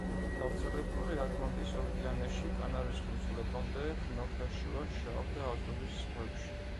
გავრცელებულია ატლანტის ოკეანეში კანარის კუნძულებამდე, ხმელთაშუა, შავ და აზოვის ზღვებში.